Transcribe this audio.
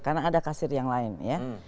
karena ada kasir yang lain ya